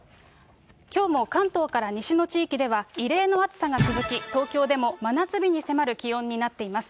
きょうも関東から西の地域では、異例の暑さが続き、東京でも真夏日に迫る気温になっています。